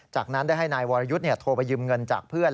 จากนั้นได้ให้นายวรยุทธ์โทรไปยืมเงินจากเพื่อน